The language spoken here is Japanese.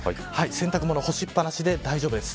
洗濯物干しっぱなしで大丈夫です。